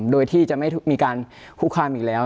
โดยที่จะไม่มีการคุกคามอีกแล้ว